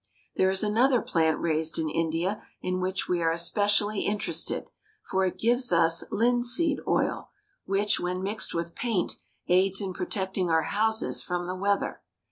There is another plant raised in India in which we are especially interested, for it gives us linseed oil, which, when mixed with paint, aids in protecting our houses from the weather.